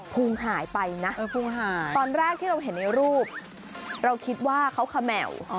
พุงหายไปนะตอนแรกที่เราเห็นในรูปเราคิดว่าเขาเขม่าว